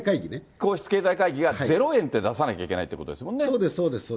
皇室経済会議がゼロ円って出さなきゃいけないってことですもそうです、そうです。